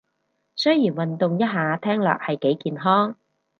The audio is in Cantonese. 雖然運動一下聽落係幾健康